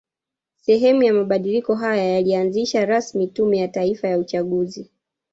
Sehemu ya mabadiliko haya yalianzisha rasmi Tume ya Taifa ya Uchaguzi